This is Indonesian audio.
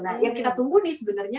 nah yang kita tunggu nih sebenarnya